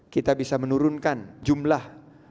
kita bisa menurunkan jumlah